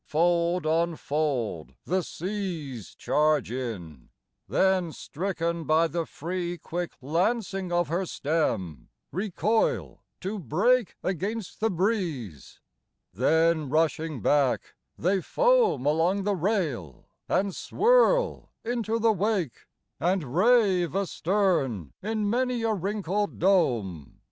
Fold on fold The seas charge in; then stricken by the free Quick lancing of her stem recoil to break Against the breeze; then rushing back they foam Along the rail, and swirl into the wake, And rave astern in many a wrinkled dome.